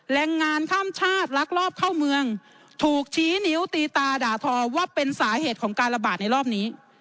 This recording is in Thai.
แรงงานข้ามชาติลักลอบเข้าเมืองถูกชี้นิ้วตีตาด่าทอว่าเป็นสาเหตุของการระบาดในรอบนี้